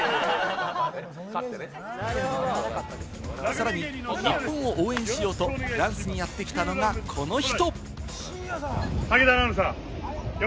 さらに、日本を応援しようと、フランスにやってきたのがこの人。